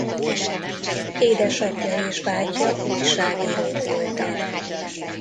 Édesapja és bátyja újságírók voltak.